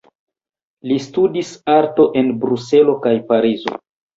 Li studis arto en Bruselo kaj Parizo.